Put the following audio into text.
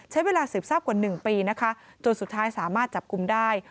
ใช้เวลาสืบทราบกว่า๑ปีนะคะจนสุดท้ายสามารถจับกลุ่มได้